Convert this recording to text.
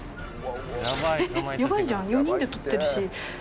やばいじゃん４人で撮ってるし。